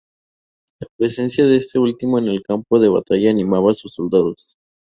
La presencia de este último en el campo de batalla animaba a sus soldados.